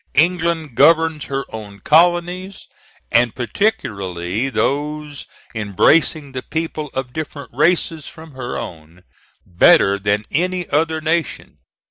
England governs her own colonies, and particularly those embracing the people of different races from her own, better than any other nation.